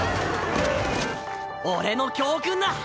俺の教訓だ。